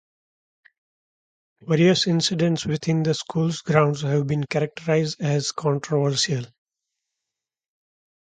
Various incidents within the school's grounds have been characterized as controversial.